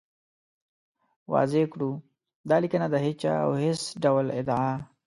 واضح کړو، دا لیکنه د هېچا او هېڅ ډول ادعا